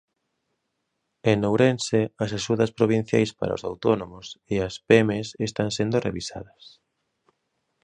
En Ourense, as axudas provinciais para os autónomos e as pemes están sendo revisadas.